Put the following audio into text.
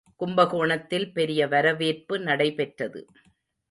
கும்பகோணத்தில் பெரிய வரவேற்பு நடைபெற்றது.